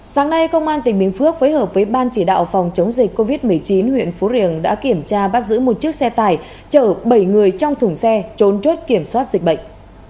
sáng nay công an tỉnh bình phước phối hợp với ban chỉ đạo phòng chống dịch covid một mươi chín huyện phú riềng đã kiểm tra bắt giữ một chiếc xe tải chở bảy người trong thùng xe trôn chốt kiểm soát dịch bệnh